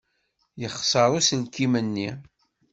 Yexṣer uselkim-nni.